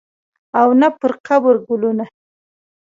او نه پرقبر ګلونه